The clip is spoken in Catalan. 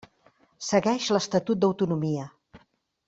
Segueix l'Estatut d'autonomia.